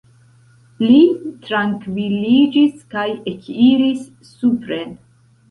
Li trankviliĝis kaj ekiris supren.